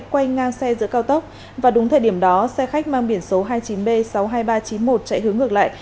quay ngang xe giữa cao tốc và đúng thời điểm đó xe khách mang biển số hai mươi chín b sáu mươi hai nghìn ba trăm chín mươi một chạy hướng ngược lại